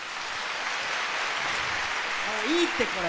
もういいってこれ。